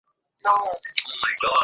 আমি বারবার নায়না নায়না বলতে পারবো না।